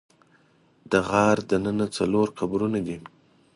د غار دننه څلور قبرونه دي.